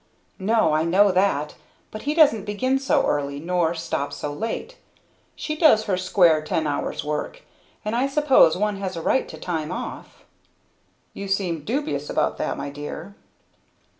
"No, I know that, but he doesn't begin so early, nor stop so late. She does her square ten hours work, and I suppose one has a right to time off." "You seem dubious about that, my dear."